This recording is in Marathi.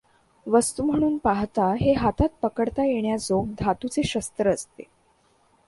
वस्तू म्हणून पाहता, हे हातात पकडता येण्याजोगे धातूचे शस्त्र असते.